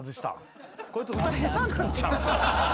こいつ歌下手なんちゃうん？